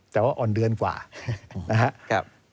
แต่ว่าอ่อนเดือนกว่านะครับ